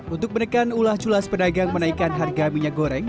untuk menekan ulah culas pedagang menaikkan harga minyak goreng